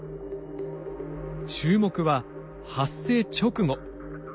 注目は発生直後。